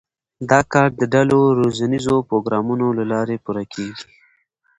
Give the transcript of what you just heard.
دا کار د ډلو روزنیزو پروګرامونو له لارې پوره کېږي.